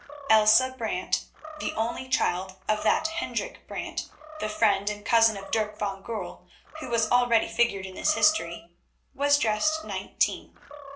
Elsa Brant, the only child of that Hendrik Brant, the friend and cousin of Dirk van Goorl, who has already figured in this history, was just nineteen.